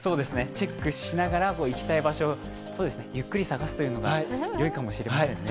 チェックしながら行きたい場所をゆっくり探すというのがよいかもしれませんね。